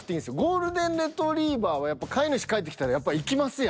ゴールデンレトリバーは飼い主帰ってきたらやっぱ行きますやん。